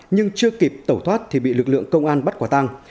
nhưng chưa kịp tẩu thoát thì bị lực lượng công an bắt quả tăng